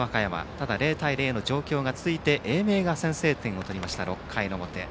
ただ０対０の状況が続いて英明高校が先制点を取った６回の表。